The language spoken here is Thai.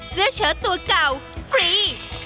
เสื้อเชิดตัวเก่าฟรี